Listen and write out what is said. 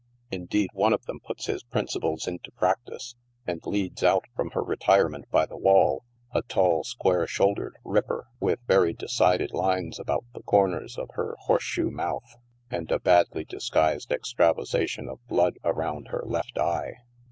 Indeed, one of them puts his principles into practice, and leads out from her retirement by the wall a tall, square shouldered " ripper," with very decided lines about the corners of her horse shoe mouth, and a badly disguised extravasation of blood around her leit eye.